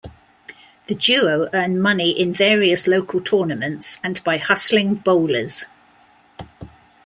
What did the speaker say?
The duo earn money in various local tournaments and by hustling bowlers.